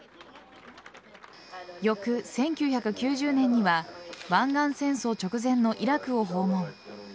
翌１９９０年には湾岸戦争直前のイラクを訪問。